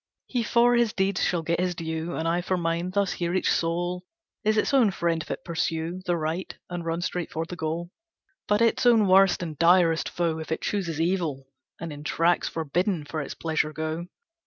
"He for his deeds shall get his due As I for mine: thus here each soul Is its own friend if it pursue The right, and run straight for the goal; But its own worst and direst foe If it choose evil, and in tracks Forbidden, for its pleasure go.